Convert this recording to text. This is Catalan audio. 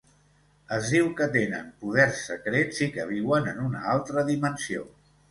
Es diu que tenen poders secrets i que viuen en una altra dimensió.